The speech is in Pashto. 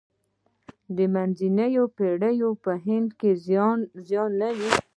د منځنیو پېړیو په هند کې زندان نه و.